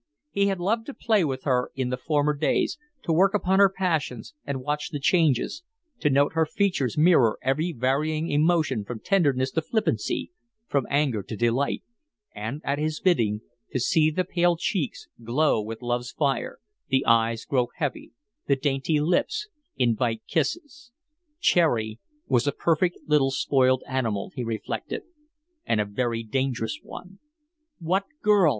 He had loved to play with her in the former days, to work upon her passions and watch the changes, to note her features mirror every varying emotion from tenderness to flippancy, from anger to delight, and, at his bidding, to see the pale cheeks glow with love's fire, the eyes grow heavy, the dainty lips invite kisses. Cherry was a perfect little spoiled animal, he reflected, and a very dangerous one. "What girl?"